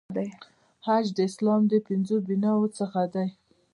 حج د اسلام د پنځو بناوو څخه دی.